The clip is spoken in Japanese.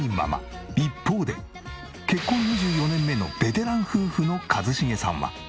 一方で結婚２４年目のベテラン夫婦の一茂さんは。